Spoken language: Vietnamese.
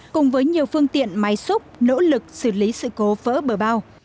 cùng với nhiều phương tiện máy xúc nỗ lực xử lý sự cố vỡ bờ bao